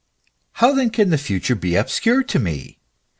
How then can the future be obscure to me